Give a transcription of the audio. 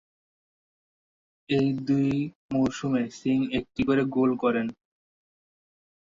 এই দুই মরশুমে সিং একটি করে গোল করেন।